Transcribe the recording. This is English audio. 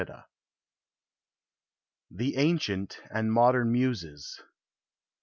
337 THE ANCIENT AND MODERN MUSES.